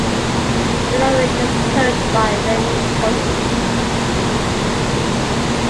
Delloreen is coached by Remi Korchemny.